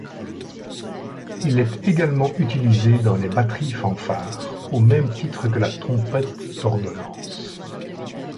Il est également utilisé dans les batteries-fanfares, au même titre que la trompette d'ordonnance.